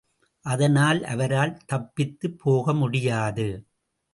அதனால் அவரால் தப்பித்துப் போக முடியாது.